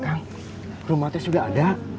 kang rumah teh sudah ada